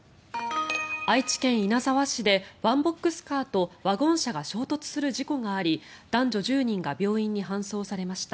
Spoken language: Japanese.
愛知県稲沢市でワンボックスカーとワゴン車が衝突する事故があり男女１０人が病院に搬送されました。